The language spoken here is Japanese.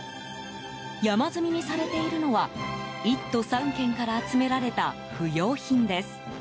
山積みにされているのは１都３県から集められた不用品です。